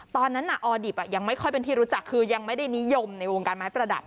ตอนนั้นออดิบยังไม่ค่อยเป็นที่รู้จักคือยังไม่ได้นิยมในวงการไม้ประดับ